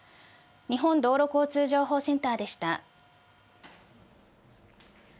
日本道路交通情報センターでした。